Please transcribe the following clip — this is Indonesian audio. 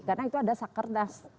karena itu ada sakernas